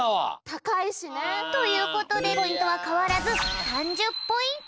たかいしね。ということでポイントはかわらず３０ポイント。